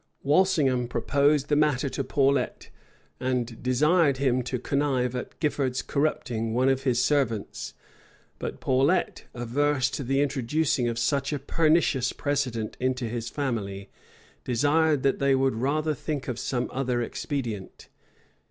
Walsingham proposed the matter to Paulet, and desired him to connive at Gifford's corrupting one of his servants; but Paulet, averse to the introducing of such a pernicious precedent into his family, desired that they would rather think of some other expedient.